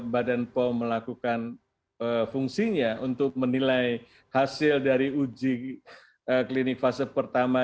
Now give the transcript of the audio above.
badan pom melakukan fungsinya untuk menilai hasil dari uji klinik fase pertama